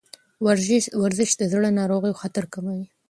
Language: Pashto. ورزش د زړه ناروغیو خطر کموي.